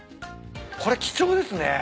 これ貴重ですね。